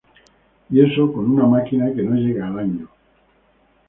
Y eso con una máquina que no llega al año.